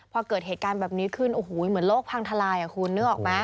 พอเกิดเหตุการณ์แบบนี้ขึ้นโอ้โหเหมือนโลกพังทลายอ่ะคุณนึกออกไหม